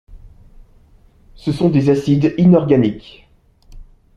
Ce sont des acides inorganiques.